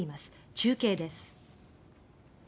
中継です。